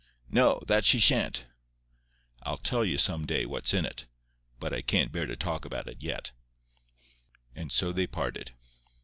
"No. That she shan't." "I'll tell you some day what's in it. But I can't bear to talk about it yet." And so they parted.